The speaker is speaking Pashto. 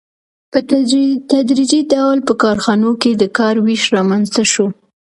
په تدریجي ډول په کارخانو کې د کار وېش رامنځته شو